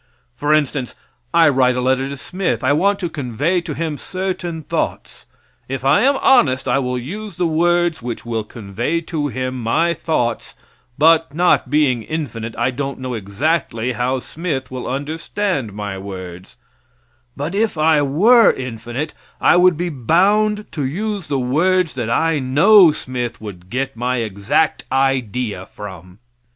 For instance, I write a letter to Smith. I want to convey to him certain thoughts. If I am honest I will use the words which will convey to him my thoughts, but not being infinite, I don't know exactly how Smith will understand my words; but if I were infinite I would be bound to use the words that I know Smith would get my exact idea from.